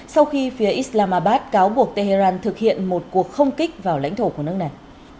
sau khi phía islamabad cáo buộc tehran thực hiện một cuộc không kích vào lãnh thổ của nước này